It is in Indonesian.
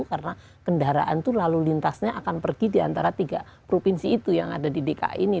karena kendaraan itu lalu lintasnya akan pergi di antara tiga provinsi itu yang ada di dki ini